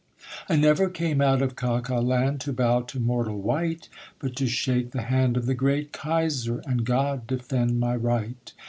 'I never came out of Caucaland To bow to mortal wight, But to shake the hand of the great Kaiser, And God defend my right.'